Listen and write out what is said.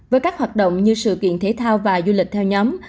với các hoạt động như sự kiện thể thao và du lịch theo nhóm